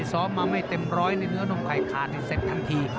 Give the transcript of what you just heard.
ซ้อมมาไม่เต็มร้อยในเนื้อนมไข่ขาดเซ็ตทันที